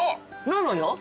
なのよ。